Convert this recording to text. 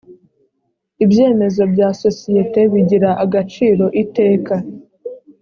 ibyemezo bya sosiyete bigira agaciro iteka